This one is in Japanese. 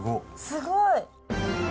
すごい。